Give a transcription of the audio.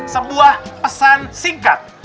sebuah pesan singkat